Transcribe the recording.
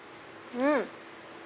うん！